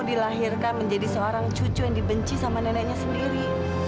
dilahirkan menjadi seorang cucu yang dibenci sama neneknya sendiri